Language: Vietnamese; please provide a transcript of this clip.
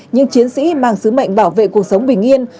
những chiến sĩ mang sứ mệnh bảo vệ cuộc sống bình yên